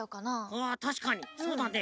あたしかにそうだね。